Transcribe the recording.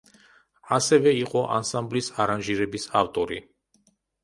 ასევე იყო ანსამბლის არანჟირების ავტორი.